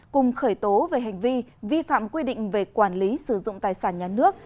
cùng khởi tố về hành vi vi phạm quy định về quản lý sử dụng tài sản nhà nước